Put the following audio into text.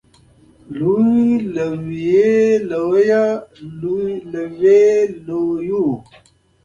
لوی لویې لويه لوې لويو